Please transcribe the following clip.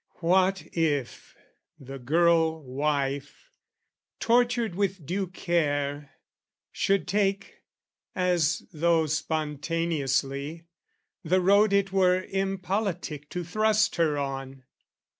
What if the girl wife, tortured with due care, Should take, as though spontaneously, the road It were impolitic to thrust her on?